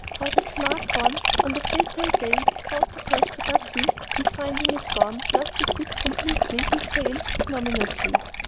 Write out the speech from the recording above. How the smart one on the fatal day sought to "press the button" and finding it gone, lost his wits completely and failed ignominiously?